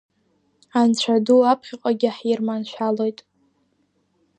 Анцәа ду аԥхьаҟагьы ҳирманшәалоит.